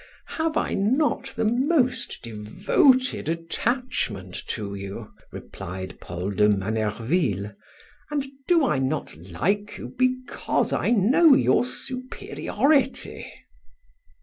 "Have I not the most devoted attachment to you," replied Paul de Manerville, "and do I not like you because I know your superiority?..."